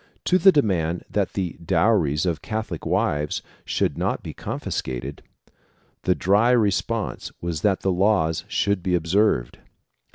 To the demand that the dowries of Catholic wives should not be confiscated, the dry response was that the laws should be observed.